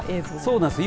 そうなんです。